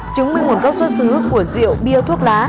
chứng minh nguồn gốc xuất xứ của rượu bia thuốc lá